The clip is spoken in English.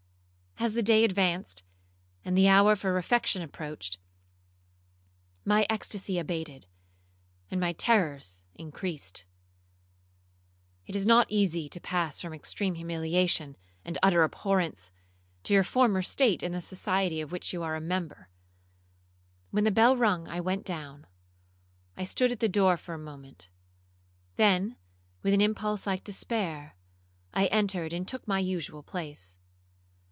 As the day advanced, and the hour for refection approached, my extasy abated, and my terrors increased;—it is not easy to pass from extreme humiliation and utter abhorrence, to your former state in the society of which you are a member. When the bell rung I went down. I stood at the door for a moment,—then, with an impulse like despair, I entered and took my usual place.